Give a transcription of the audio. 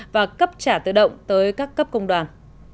và cấp trả tự động tới các cấp công đoàn